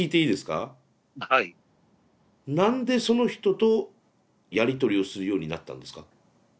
何でその人とやり取りをするようになったんですか？